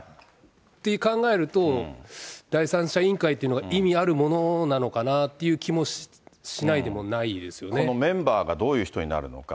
って考えると、第三者委員会っていうのが意味あるものなのかなっていう気もしなこのメンバーがどういう人になるのか。